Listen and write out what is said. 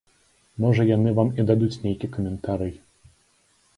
Можа яны вам і дадуць нейкі каментарый.